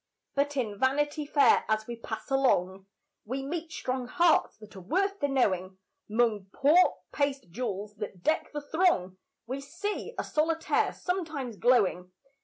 But in Vanity Fair, as we pass along, We meet strong hearts that are worth the knowing 'Mong poor paste jewels that deck the throng, We see a solitaire sometimes glowing.